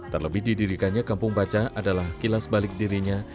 terlebih didirikannya kampung baca adalah kilas balik dirinya